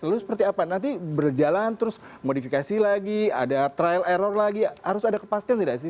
lalu seperti apa nanti berjalan terus modifikasi lagi ada trial error lagi harus ada kepastian tidak sih